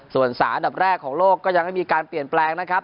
ส่วน๓อันดับแรกของโลกก็ยังไม่มีการเปลี่ยนแปลงนะครับ